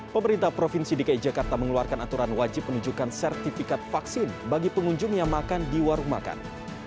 pemerintah provinsi dki jakarta mengeluarkan aturan wajib menunjukkan sertifikat vaksin bagi pengunjung yang makan di warung makan